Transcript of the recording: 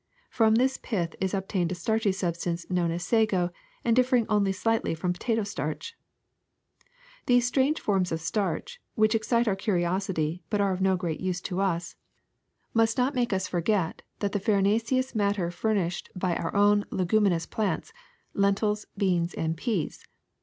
From this pith is obtained a starchy substance known as sago and differing only slightly from potato starch. *' These strange forms of starch, which excite our curiosity but are of no great use to us, must not make Flowering Orchid STRANGE USES OF STARCH 275 us forget the farinaceous matter furnished by our own leguminous plants, lentils, beans, and peas.